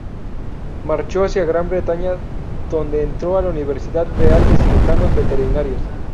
Marchó hacia Gran Bretaña donde entró a la Universidad Real de Cirujanos Veterinarios.